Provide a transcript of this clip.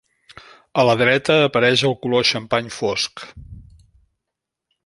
A la dreta apareix el color xampany fosc.